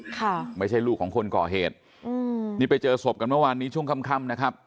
ค่ะไม่ใช่ลูกของคนก่อเหตุอืมนี่ไปเจอศพกันเมื่อวานนี้ช่วงค่ำค่ำนะครับ